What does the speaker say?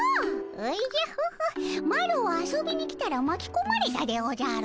おじゃホホッマロは遊びに来たらまきこまれたでおじゃる。